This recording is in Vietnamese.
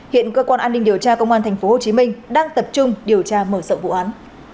hiện cơ quan an ninh điều tra công an tp hcm đang tập trung điều tra mở rộng vụ án